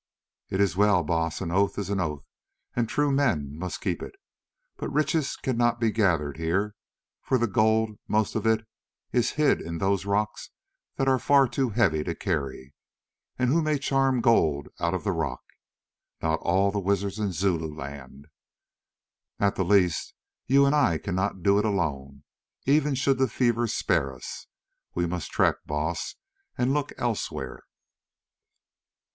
"It is well, Baas; an oath is an oath and true men must keep it. But riches cannot be gathered here, for the gold, most of it, is hid in those rocks that are far too heavy to carry, and who may charm gold out of the rock? Not all the wizards in Zululand. At the least you and I cannot do it alone, even should the fever spare us. We must trek, Baas, and look elsewhere."